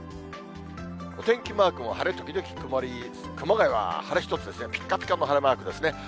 お天気マークも晴れ時々曇り、熊谷は晴れ一つですね、ぴっかぴかの晴れマークですね。